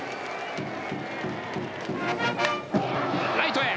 ライトへ。